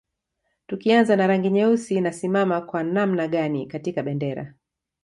Tukianza na rangi nyeusi inasimama kwa namna gani katika bendera